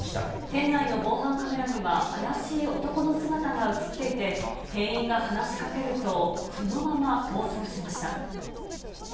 店内の防犯カメラには、怪しい男の姿が写っていて、店員が話しかけると、そのまま逃走しました。